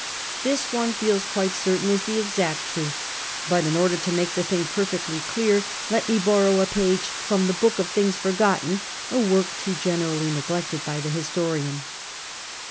This, one feels quite certain, is the exact truth. But in order to make the thing perfectly clear, let me borrow a i»ago from the Hook of the Things Forgotten — a work too generally neglected by the historian.